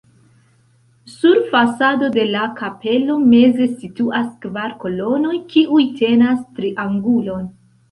Sur fasado de la kapelo meze situas kvar kolonoj, kiuj tenas triangulon.